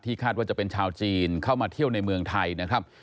คาดว่าจะเป็นชาวจีนเข้ามาเที่ยวในเมืองไทยนะครับ